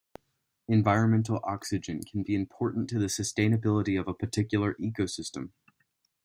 Environmental oxygenation can be important to the sustainability of a particular ecosystem.